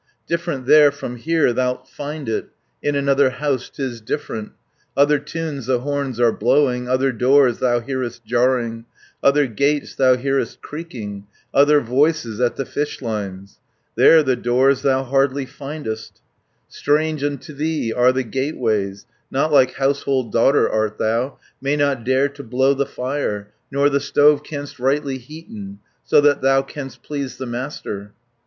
Different there from here thou'lt find it In another house 'tis different; 100 Other tunes the horns are blowing, Other doors thou hearest jarring, Other gates thou hearest creaking, Other voices at the fishlines. "There the doors thou hardly findest, Strange unto thee are the gateways, Not like household daughter art thou, May not dare to blow the fire, Nor the stove canst rightly heaten, So that thou canst please the master.